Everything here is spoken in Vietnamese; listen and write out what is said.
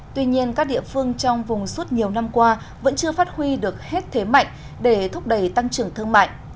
tuy nhiên các địa phương trong vùng suốt nhiều năm qua vẫn chưa phát huy được hết thế mạnh để thúc đẩy tăng trưởng thương mại